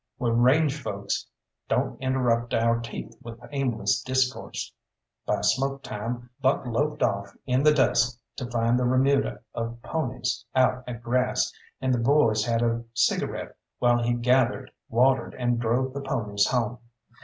We range folk don't interrupt our teeth with aimless discourse. By smoke time Buck loped off in the dusk to find the remuda of ponies out at grass, and the boys had a cigarette while he gathered, watered, and drove the ponies home.